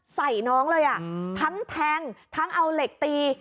ใส่น้องเลยอ่ะทั้งแทงทั้งเอาเหล็กตี